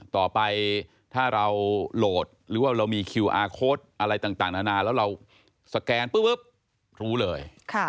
ต่อไปถ้าเราโหลดหรือว่าเรามีคิวอาร์โค้ดอะไรต่างนานาแล้วเราสแกนปุ๊บรู้เลย